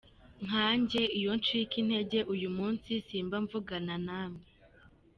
Nkanjye iyo ncika intege uyu munsi simba mvugana namwe.